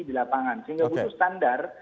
di lapangan sehingga butuh standar